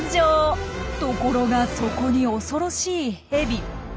ところがそこに恐ろしいヘビ。